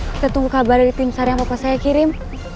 kita tunggu kabar dari tim sariang bapak saya kirim